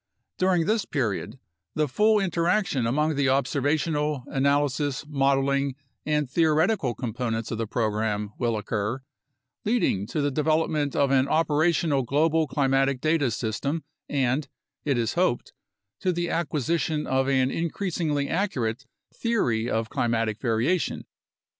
During this period, the full interaction among the observational, analysis, modeling, and theoretical components of the program will occur, leading to the development of an operational global climatic data system and, it is hoped, to the acquisition of an increasingly accurate theory of climatic variation.